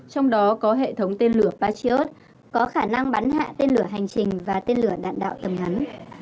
trong đó có hệ thống tên lửa patriot có khả năng bắn hạ tên lửa hành trình và tên lửa đạn đạo tầm ngắn